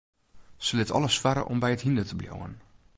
Se litte alles farre om by it hynder te bliuwen.